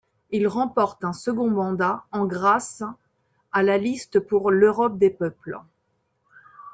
Il remporte un second mandat en grâce à la liste Pour l'Europe des peuples.